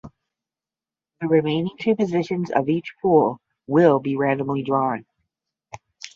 The remaining two positions of each pool will be randomly drawn.